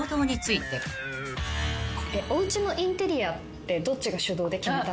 おうちのインテリアってどっちが主導で決めたんですか？